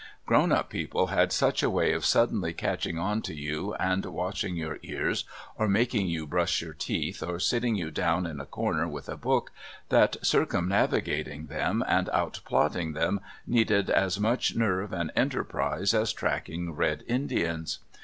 Grown up people had such a way of suddenly catching on to you and washing your ears, or making you brush your teeth, or sitting you down in a corner with a book, that circumnavigating them and outplotting them needed as much nerve and enterprise as tracking Red Indians.